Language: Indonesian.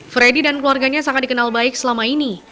freddy dan keluarganya sangat dikenal baik selama ini